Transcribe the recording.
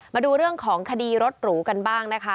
มาดูเรื่องของคดีรถหรูกันบ้างนะคะ